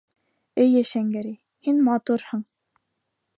Эйе, Шәңгәрәй, һин матурһың.